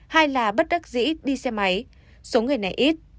hai là bất đắc dĩ đi xe máy số người này ít